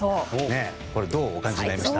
これ、どうお感じになりました？